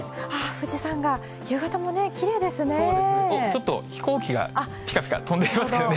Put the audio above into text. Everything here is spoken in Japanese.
富士山が、夕方もね、きれいですね。